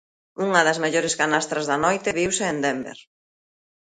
Unha das mellores canastras da noite viuse en Denver.